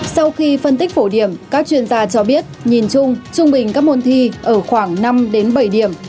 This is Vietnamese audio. sau khi phân tích phổ điểm các chuyên gia cho biết nhìn chung trung bình các môn thi ở khoảng năm bảy điểm